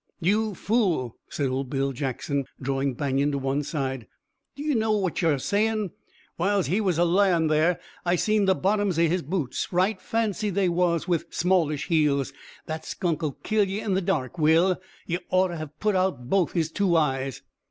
"You fool!" said old Bill Jackson, drawing Banion to one side. "Do ye know what ye're a sayin'? Whiles he was a layin' thar I seen the bottoms o' his boots. Right fancy they was, with smallish heels! That skunk'll kill ye in the dark, Will. Ye'd orto hev put out'n both his two eyes!"